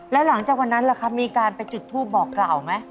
แล้วหลังจากวันนั้นล่ะครับมีการไปจุดทูปบอกกล่าวไหม